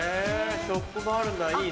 ショップもあるんだいいな。